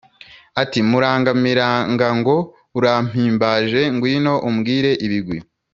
Ati: Murangamirangango, urampimbaje ngwino umbwire ibigwi.